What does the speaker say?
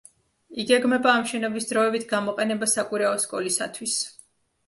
იგეგმება ამ შენობის დროებით გამოყენება საკვირაო სკოლისათვის.